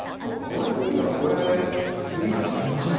これでいいならこれでいいですね。